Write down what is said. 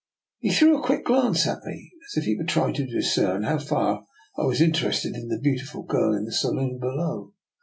He threw a quick glance at me, as if he were trying to discern how far I was inter ested in the beautiful girl in the saloon below.